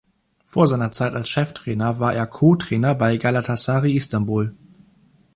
Vor seiner Zeit als Cheftrainer war er Co-Trainer bei Galatasaray Istanbul.